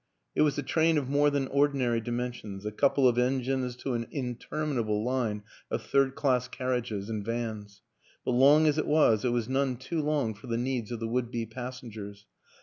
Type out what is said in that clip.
It was a train of more than ordinary dimensions a couple of engines to an interminable line of third class carriages and vans but long as it was, it was none too long for the needs of the would be passengers.